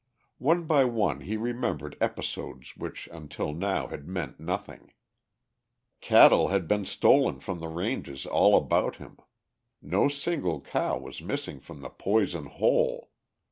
One by one he remembered episodes which until now had meant nothing. Cattle had been stolen from the ranges all about him; no single cow was missing from the Poison Hole.